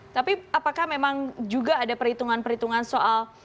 tapi apakah memang juga ada perhitungan perhitungan soal